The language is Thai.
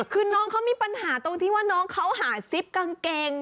คือน้องเขามีปัญหาตรงที่ว่าน้องเขาหาซิปกางเกง